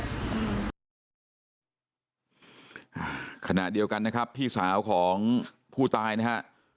อ่าขณะเดียวกันนะครับพี่สาวของผู้ตายนะฮะ